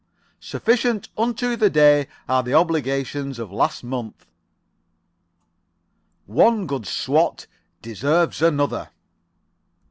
"Sufficient unto the day are the obligations of last month." "One good swat deserves another."